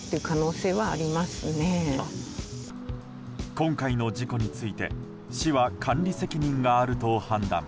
今回の事故について市は管理責任があると判断。